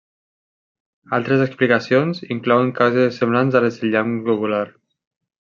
Altres explicacions inclouen causes semblants a les del llamp globular.